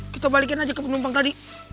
kita balikin aja ke penumpang tadi